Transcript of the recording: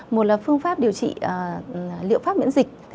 một là phương pháp điều trị liệu pháp miễn dịch